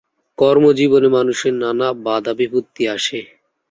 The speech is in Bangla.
কর্মজীবনে মানুষের নানা বাধাবিপত্তি আসে।